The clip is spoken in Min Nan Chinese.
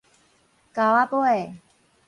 溝仔尾